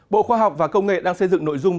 bộ khoa học và công nghệ đang xây dựng nội dung